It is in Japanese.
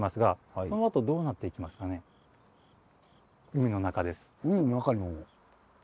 海の中です。